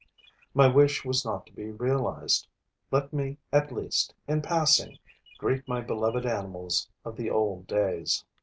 My wish was not to be realized. Let me, at least, in passing, greet my beloved animals of the old days.